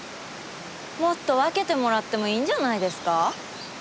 もっと分けてもらってもいいんじゃないんですか？